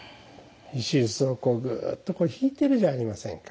石臼をこうぐっとひいてるじゃありませんか。